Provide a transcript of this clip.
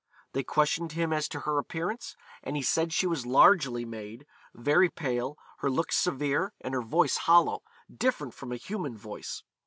They questioned him as to her appearance, and he said she was largely made, very pale, her looks severe, and her voice hollow, different from a human voice.